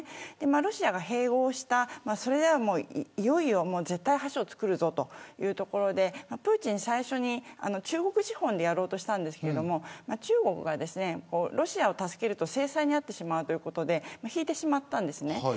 ロシアが併合して絶対橋を造るぞというところでプーチン最初に、中国資本でやろうとしたんですけれども中国がロシアを助けると制裁にあってしまうということで引いてしまったんですね。